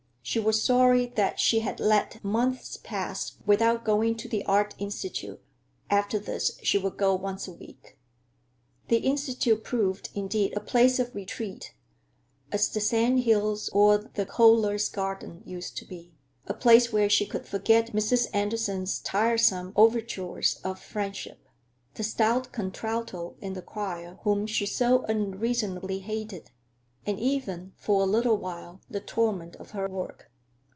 She was sorry that she had let months pass without going to the Art Institute. After this she would go once a week. The Institute proved, indeed, a place of retreat, as the sand hills or the Kohlers' garden used to be; a place where she could forget Mrs. Andersen's tiresome overtures of friendship, the stout contralto in the choir whom she so unreasonably hated, and even, for a little while, the torment of her work.